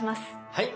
はい。